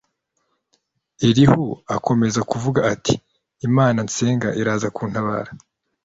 Elihu akomeza kuvuga ati imana nsenga iraza kuntabara